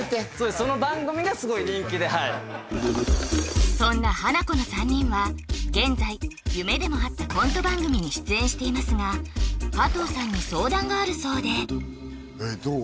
その番組がすごい人気ではいそんなハナコの３人は現在夢でもあったコント番組に出演していますが加藤さんに相談があるそうでえっどう？